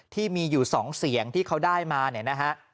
ที่มีอยู่๒เสียงที่เขาได้มาเนี่ยนะฮะ